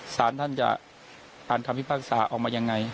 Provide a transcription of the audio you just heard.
สารท่านจะอ่านคำพิพากษาออกมายังไง